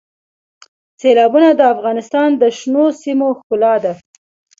سیلابونه د افغانستان د شنو سیمو ښکلا ده.